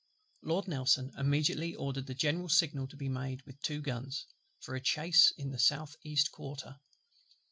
Lord NELSON immediately ordered the general signal to be made, with two guns, for a chace in the south east quarter.